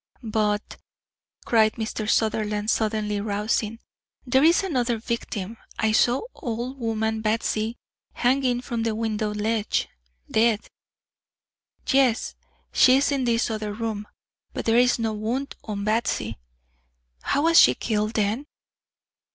"But" cried Mr. Sutherland, suddenly rousing, "there is another victim. I saw old woman Batsy hanging from a window ledge, dead." "Yes, she is in this other room; but there is no wound on Batsy." "How was she killed, then?"